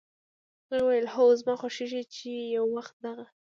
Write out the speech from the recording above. هغې وویل: "هو، زما خوښېږي چې یو وخت دغه